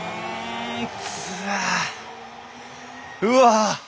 うわ！